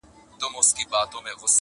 د واسکټونو دا بد مرغه لړۍ -